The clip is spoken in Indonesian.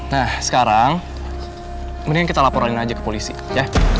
nah sekarang mendingan kita laporanin aja ke polisi ya